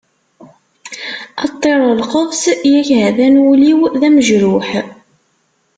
A ṭṭir n lqefṣ, yak ha-t-an wul-iw d amejruḥ.